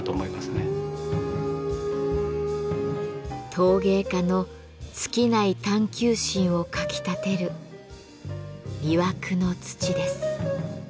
陶芸家の尽きない探求心をかきたてる魅惑の土です。